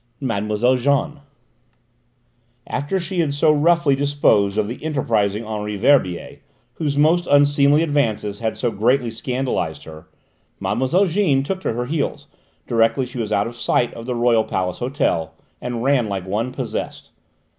MADEMOISELLE JEANNE After she had so roughly disposed of the enterprising Henri Verbier, whose most unseemly advances had so greatly scandalised her, Mlle. Jeanne took to her heels, directly she was out of sight of the Royal Palace Hotel, and ran like one possessed.